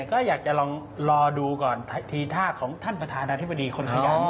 ก็อยากจะลองรอดูก่อนทีท่าของท่านประธานาธิบดีคนขยาย